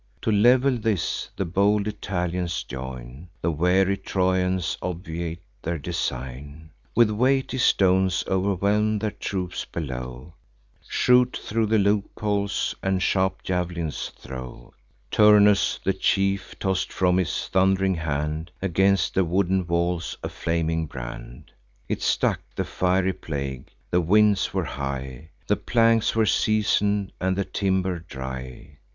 To level this, the bold Italians join; The wary Trojans obviate their design; With weighty stones o'erwhelm their troops below, Shoot thro' the loopholes, and sharp jav'lins throw. Turnus, the chief, toss'd from his thund'ring hand Against the wooden walls, a flaming brand: It stuck, the fiery plague; the winds were high; The planks were season'd, and the timber dry.